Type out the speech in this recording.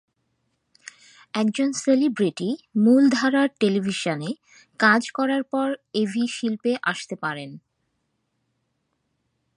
একজন সেলিব্রিটি মূলধারার টেলিভিশনে কাজ করার পর এভি শিল্পে আসতে পারেন।